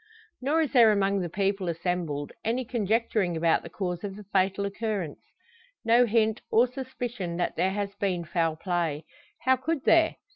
Nor is there among the people assembled any conjecturing about the cause of the fatal occurrence. No hint, or suspicion, that there has been foul play. How could there?